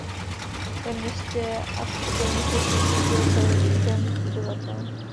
Ve městě a v připojených vesnicích žije celkem obyvatel.